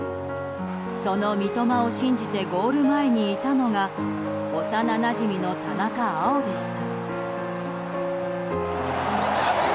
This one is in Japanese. その三笘を信じてゴール前にいたのが幼なじみの田中碧でした。